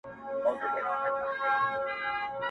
o دا سیکي چلېږي دا ویناوي معتبري دي,